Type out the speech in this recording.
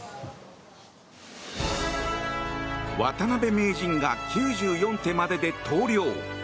渡辺名人が９４手までで投了。